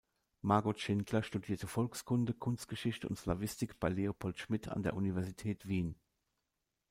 Margot Schindler studierte Volkskunde, Kunstgeschichte und Slawistik bei Leopold Schmidt an der Universität Wien.